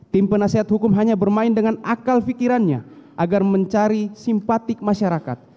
tim penasehat hukum hanya bermain dengan akal fikirannya agar mencari simpati ke masyarakat